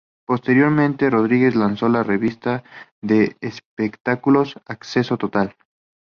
Posteriormente, Rodríguez lanzó la revista de espectáculos "Acceso Total".